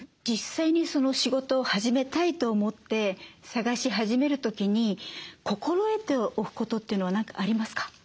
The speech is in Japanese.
実際に仕事を始めたいと思って探し始める時に心得ておくことというのは何かありますか？